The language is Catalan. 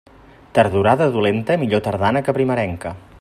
Tardorada dolenta, millor tardana que primerenca.